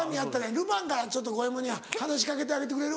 ルパンからちょっと五ェ門に話し掛けてあげてくれる？